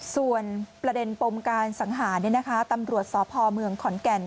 ส่วนประเด็นปมการสังหารตำรวจสพเมืองขอนแก่น